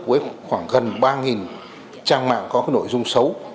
với khoảng gần ba trang mạng có nội dung xấu